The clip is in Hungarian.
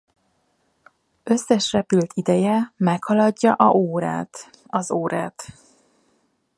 Összes repült ideje meghaladja a órát.